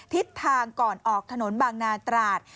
ทิศทางก่อนออกถนนบางนาตราด